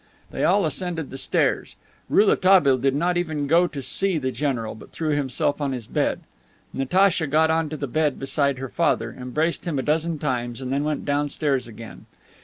They all ascended the stairs. Rouletabille did not even go to see the general, but threw himself on his bed. Natacha got onto the bed beside her father, embraced him a dozen times, and went downstairs again.